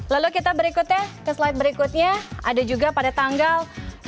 lalu kita berikutnya ke slide berikutnya ada juga pada tanggal dua puluh lima